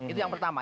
itu yang pertama